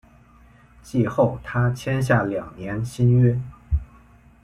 季后他签下两年新约。